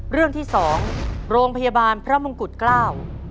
เรื่องที่สองโรงพยาบาลพระมงกุฎเกล้า